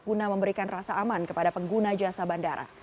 guna memberikan rasa aman kepada pengguna jasa bandara